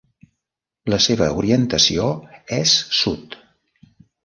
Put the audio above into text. La seva orientació és Sud.